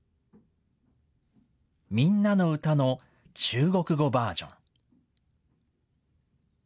みんなの歌の中国語バージョン。